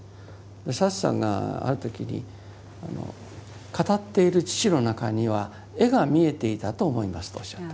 サツさんがある時に語っている父の中には絵が見えていたと思いますとおっしゃった。